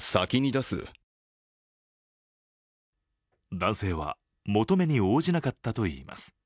男性は求めに応じなかったといいます。